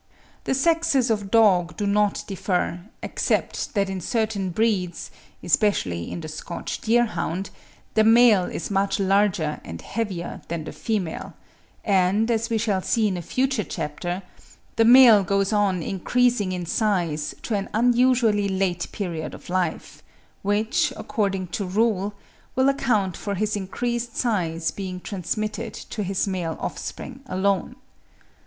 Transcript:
The sexes of dogs do not differ, except that in certain breeds, especially in the Scotch deer hound, the male is much larger and heavier than the female; and, as we shall see in a future chapter, the male goes on increasing in size to an unusually late period of life, which, according to rule, will account for his increased size being transmitted to his male offspring alone.